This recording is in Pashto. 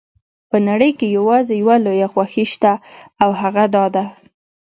په نړۍ کې یوازې یوه لویه خوښي شته او هغه دا ده.